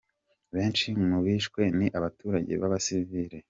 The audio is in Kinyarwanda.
Benshi mu bishwe ni abaturage b'abasivile.